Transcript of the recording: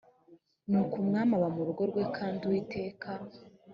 nuko umwami aba mu rugo rwe kandi uwiteka